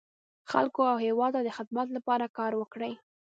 خلکو او هېواد ته د خدمت لپاره کار وکړي.